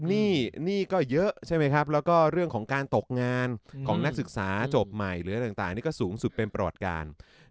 หนี้ก็เยอะใช่ไหมครับแล้วก็เรื่องของการตกงานของนักศึกษาจบใหม่หรืออะไรต่างนี่ก็สูงสุดเป็นประวัติการ